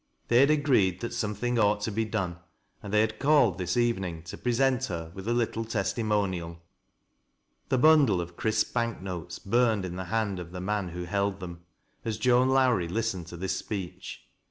They had agreed A TESTIMONIAL. 249 that Bometting ought to be done, and they had called this evening to present her with a little testimonial. The bundle of crisp bank notes biirned the hand of the man who held them, as Joan Lowrie listened to this speech.